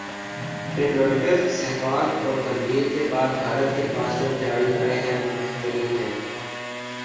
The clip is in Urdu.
ٹنڈولکر ، سہواگ اور گمبھیر کے بعد بھارت کے پاس جو کھلاڑی آئے ہیں وہ بہترین ہیں